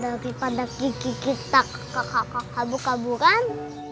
daripada gigi kita kabur kabur kan